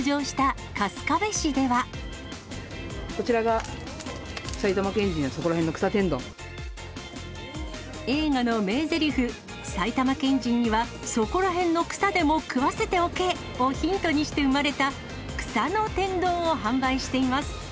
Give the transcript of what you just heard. こちらが、映画の名ぜりふ、埼玉県人にはそこらへんの草でも食わせておけ！をヒントにして生まれた、草の天丼を販売しています。